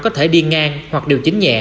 có thể đi ngang hoặc điều chỉnh nhẹ